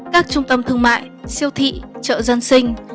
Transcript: các trung tâm thương mại siêu thị chợ dân sinh